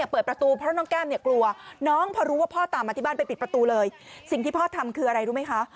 สิ่งที่พ่อทำคืออะไรรู้ไหมคะ